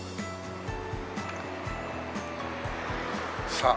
さあ。